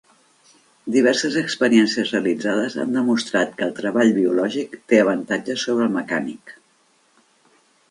Diverses experiències realitzades han demostrat que el treball biològic té avantatges sobre el mecànic